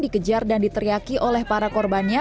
dikejar dan diteriaki oleh para korbannya